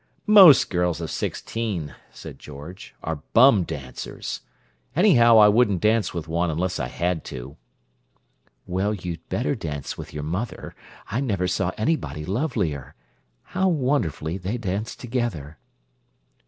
"Most girls of sixteen," said George, "are bum dancers. Anyhow, I wouldn't dance with one unless I had to." "Well, you'd better dance with your mother! I never saw anybody lovelier. How wonderfully they dance together!"